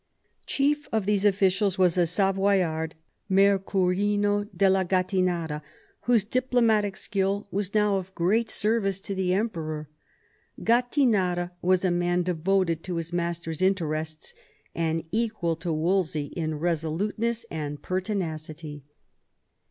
Chief of these officials was a Savoyard, Mercurino della Gattinara, whose diplomatic skill was now of great service to the Emperor. Gattinara was a man devoted to his master's interests, and equal to Wolsey in resolute ness and pertinacity.